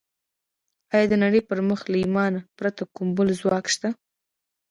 ایا د نړۍ پر مخ له ایمانه پرته کوم بل ځواک شته